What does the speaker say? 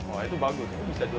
oh itu bagus